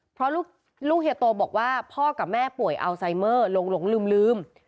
เพราะลูกเฮียโตบอกว่าพ่อกับแม่ป่วยอัลไซเมอร์หลงลืม